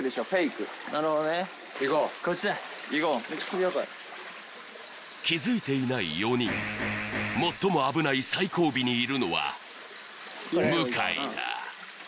なるほどねいこう気づいていない４人最も危ない最後尾にいるのは向井だ